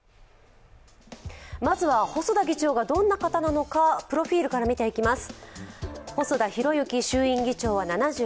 まずは細田議長がどんな方なのかプロフィールから見ていきます。